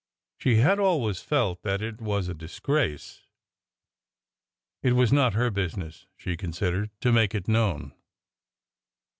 She had always felt that it was a disgrace. It was not her business, she consid ered, to make it known.